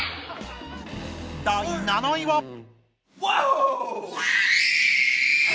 第７位は。